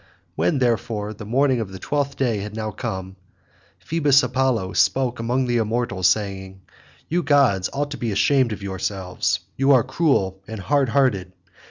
When, therefore, the morning of the twelfth day had now come, Phoebus Apollo spoke among the immortals saying, "You gods ought to be ashamed of yourselves; you are cruel and hard hearted.